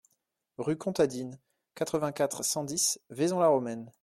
Rue Comtadine, quatre-vingt-quatre, cent dix Vaison-la-Romaine